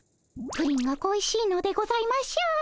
プリンが恋しいのでございましょう。